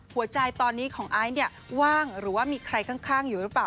หัวใจตอนนี้ของไอซ์เนี่ยว่างหรือว่ามีใครข้างอยู่หรือเปล่า